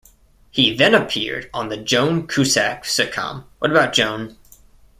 He then appeared on the Joan Cusack sitcom What About Joan?